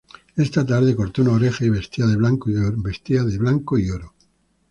Esa tarde cortó una oreja y vestía de blanco y oro.